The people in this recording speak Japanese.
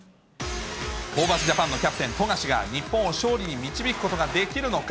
ホーバスジャパンのキャプテン、富樫が、日本を勝利に導くことができるのか？